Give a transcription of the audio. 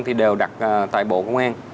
thì đều đặt tại bộ công an